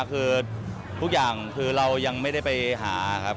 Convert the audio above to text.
คือทุกอย่างคือเรายังไม่ได้ไปหาครับ